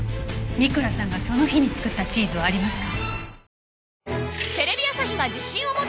三倉さんがその日に作ったチーズはありますか？